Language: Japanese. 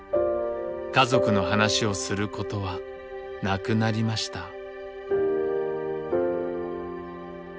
家族の話をすることはなくなりました。